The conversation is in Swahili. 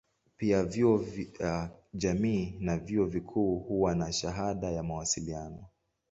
Pia vyuo vya jamii na vyuo vikuu huwa na shahada ya mawasiliano.